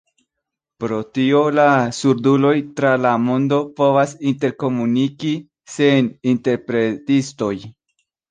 Pro tio la surduloj tra la mondo povas interkomuniki sen interpretistoj!